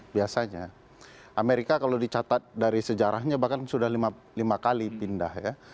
biasanya amerika kalau dicatat dari sejarahnya bahkan sudah lima kali pindah ya